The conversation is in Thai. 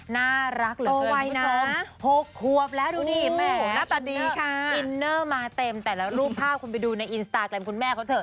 น่ารักเหลือเกินคุณผู้ชม๖ควบแล้วดูนี่แม่หน้าตาดีค่ะอินเนอร์มาเต็มแต่ละรูปภาพคุณไปดูในอินสตาแกรมคุณแม่เขาเถ